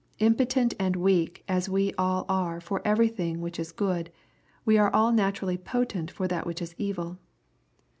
Impotent and weak as we all are for everything whlnh is good, we are all naturally potent for that which is evil.